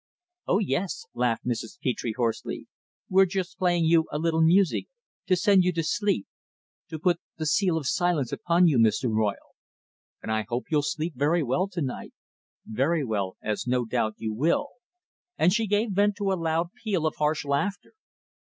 "Oh, yes," laughed Mrs. Petre hoarsely; "we're just playing you a little music to send you to sleep to put the seal of silence upon you, Mr. Royle. And I hope you'll sleep very well to night very well as no doubt you will!" and she gave vent to a loud peal of harsh laughter.